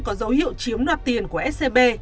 có dấu hiệu chiếm đoạt tiền của scb